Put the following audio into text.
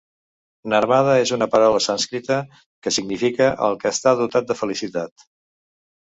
Narmada és una paraula sànscrita que significa 'el que està dotat de felicitat'.